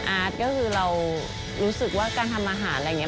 อาร์ตก็คือเรารู้สึกว่าการทำอาหารอะไรอย่างนี้